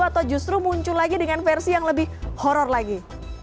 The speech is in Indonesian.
atau justru muncul lagi dengan versi yang lebih horror lagi